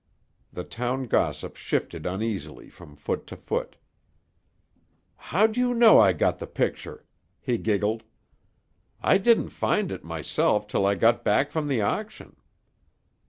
The town gossip shifted uneasily from foot to foot. "How'd you know I got the picture?" he giggled. "I didn't find it, myself, till I got back from the auction."